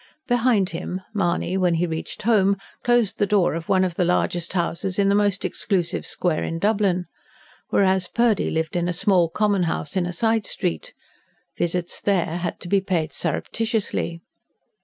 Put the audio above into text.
Behind him, Mahony, when he reached home, closed the door of one of the largest houses in the most exclusive square in Dublin. Whereas Purdy lived in a small, common house in a side street. Visits there had to be paid surreptitiously.